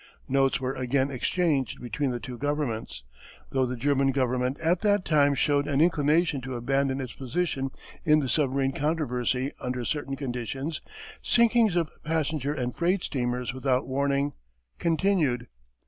Notes were again exchanged between the two Governments. Though the German government at that time showed an inclination to abandon its position in the submarine controversy under certain conditions, sinkings of passenger and freight steamers without warning continued.